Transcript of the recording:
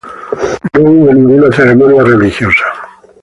No hubo ninguna ceremonia religiosa.